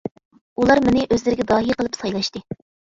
ئۇلار مېنى ئۆزلىرىگە داھىي قىلىپ سايلاشتى.